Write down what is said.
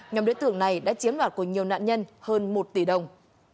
nhóm đối tượng này đã chiếm đoạt của nhiều nạn nhân hơn một tỷ đồng